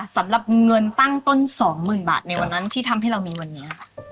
สำหรับเงินตั้งต้น๒๐๐๐บาทในวันนั้นที่ทำให้เรามีวันนี้